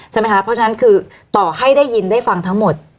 ใช่ไหมคะเพราะฉะนั้นคือต่อให้ได้ยินได้ฟังทั้งหมด